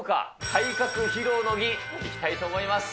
体格披露の儀、いきたいと思います。